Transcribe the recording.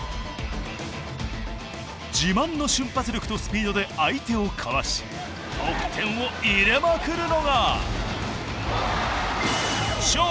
自慢の瞬発力とスピードで相手をかわし得点を入れまくるのが。